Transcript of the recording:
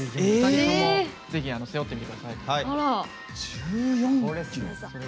２人とも、ぜひ背負ってみてください。